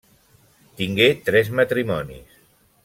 Tingué tres matrimonis.